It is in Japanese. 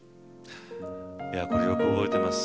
これよく覚えてます。